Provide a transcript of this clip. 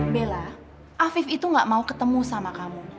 bella afif itu gak mau ketemu sama kamu